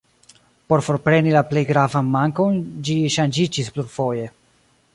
Por forpreni la plej gravan mankon ĝi ŝanĝiĝis plurfoje.